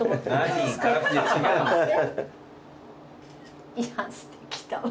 いやすてき。